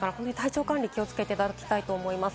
体調管理に気をつけていただきたいと思います。